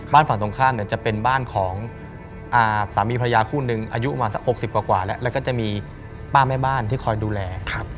บ้านฝั่งตรงข้ามจะเป็นบ้านของสามีพระยาคู่นึงอายุมาสัก๖๐กว่าแล้วก็จะมีป้าแม่บ้านที่คอยดูแล